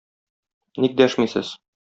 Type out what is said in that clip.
Ник дәшмисез?